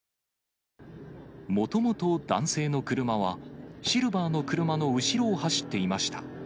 もともと男性の車はシルバーの車の後ろを走っていました。